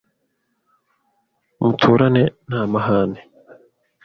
Muturane nta mahane?